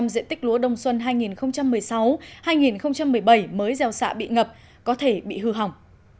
năm diện tích lúa đông xuân hai nghìn một mươi sáu hai nghìn một mươi bảy mới gieo xạ bị ngập có thể bị hư hỏng